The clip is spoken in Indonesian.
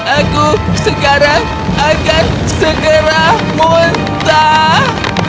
aku sekarang akan segera muntah